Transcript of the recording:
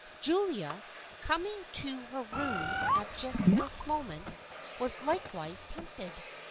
Julia, coming to her room at just this moment, was likewise tempted.